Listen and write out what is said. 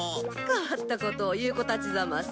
変わったことを言う子たちざます。